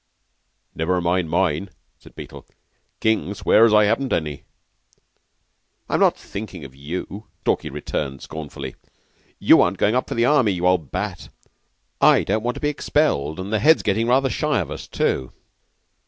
"Never mind mine," said Beetle. "King swears I haven't any." "I'm not thinking of you," Stalky returned scornfully. "You aren't going up for the Army, you old bat. I don't want to be expelled and the Head's getting rather shy of us, too."